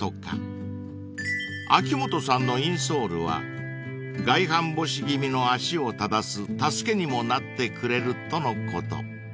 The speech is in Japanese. ［秋元さんのインソールは外反母趾気味の足を正す助けにもなってくれるとのこと］